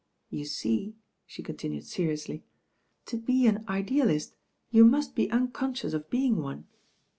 You see," she continued seri ously, "to be an idealist you must be unconprious of being one.